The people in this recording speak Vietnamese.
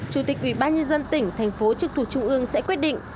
chủ tịch ủy ban nhân dân tỉnh thành phố trực thuộc trung ương sẽ quyết định